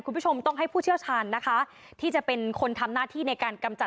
คุณผู้ชมต้องให้ผู้เชี่ยวชาญนะคะที่จะเป็นคนทำหน้าที่ในการกำจัด